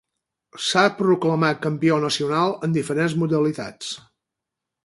S'ha proclamat campió nacional en diferents modalitats.